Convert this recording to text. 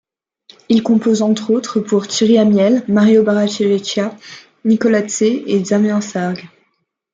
Il compose entre autres pour Thierry Amiel, Mario Barravecchia, Nicolas Tse et Damien Sargue.